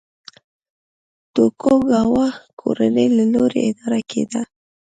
توکوګاوا کورنۍ له لوري اداره کېده.